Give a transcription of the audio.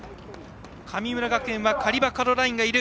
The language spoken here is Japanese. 神村学園はカリバ・カロラインがいる。